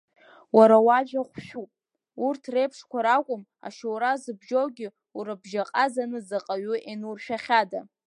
Уара уажәа хәшәуп, урҭ реиԥшқәа ракәым ашьоура зыбжьоугьы урыбжьаҟазаны заҟаҩы еинуршәахьада.